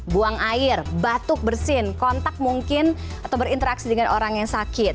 buang air batuk bersin kontak mungkin atau berinteraksi dengan orang yang sakit